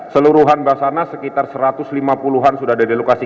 seluruhan basarnas sekitar satu ratus lima puluh an sudah ada di lokasi